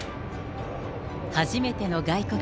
初めての外国。